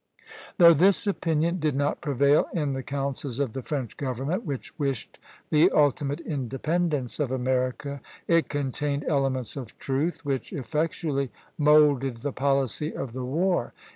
Though this opinion did not prevail in the councils of the French government, which wished the ultimate independence of America, it contained elements of truth which effectually moulded the policy of the war.